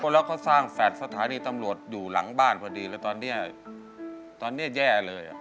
แล้วเขาสร้างแฝดสถานีตำรวจอยู่หลังบ้านพอดีแล้วตอนนี้แย่เลย